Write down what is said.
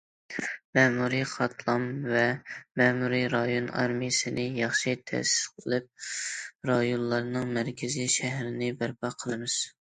مەمۇرىي قاتلام ۋە مەمۇرىي رايون ئايرىمىسىنى ياخشى تەسىس قىلىپ، رايونلارنىڭ مەركىزىي شەھىرىنى بەرپا قىلىمىز.